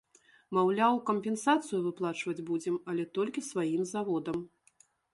Маўляў, кампенсацыю выплачваць будзем, але толькі сваім заводам.